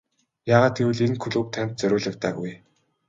Яагаад гэвэл энэ клуб танд зориулагдаагүй.